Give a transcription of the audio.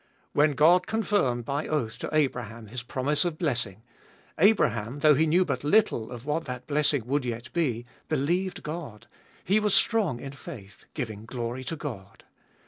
When God confirmed by oath to Abraham His promise of blessing, Abraham, though he knew but little of what that blessing would yet be, believed God : he was strong in faith, giving glory to God.